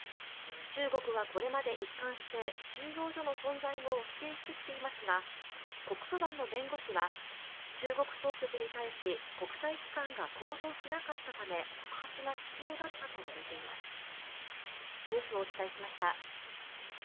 中国はこれまで一貫して収容所の存在を否定してきていますが告訴団の弁護士は中国当局に対し国際機関が行動しなかったため告発が必要だったと述べています。